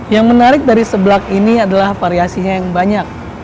yang menarik dari seblak ini adalah variasinya yang banyak